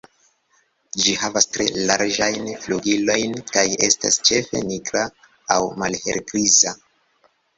Ĝi havas tre larĝajn flugilojn, kaj estas ĉefe nigra aŭ malhelgriza.